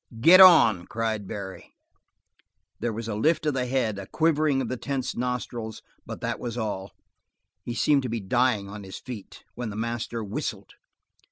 "Get on!" cried Barry. There was a lift of the head, a quivering of the tensed nostrils, but that was all. He seemed to be dying on his feet, when the master whistled.